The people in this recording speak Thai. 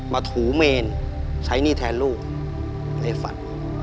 ถูเมนใช้หนี้แทนลูกในฝัน